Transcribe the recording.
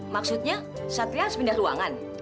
maksudnya satria harus pindah ruangan